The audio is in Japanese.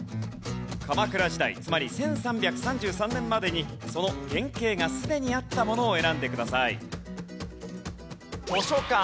鎌倉時代つまり１３３３年までにその原型がすでにあったものを選んでください。